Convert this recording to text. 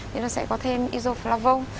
thì nó sẽ có thêm isoflavone